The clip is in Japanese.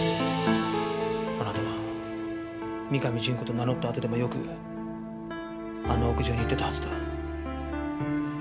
あなたは三上潤子と名乗ったあとでもよくあの屋上に行ってたはずだ。